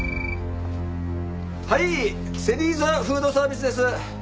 はいセリーザフードサービスです。